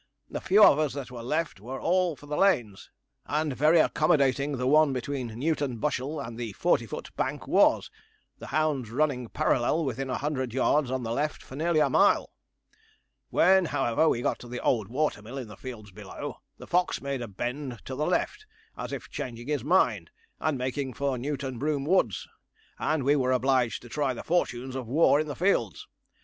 The few of us that were left were all for the lanes, and very accommodating the one between Newton Bushell and the Forty foot Bank was, the hounds running parallel within a hundred yards on the left for nearly a mile. When, however, we got to the old water mill in the fields below, the fox made a bend to the left, as if changing his mind, and making for Newtonbroome Woods, and we were obliged to try the fortunes of war in the fields.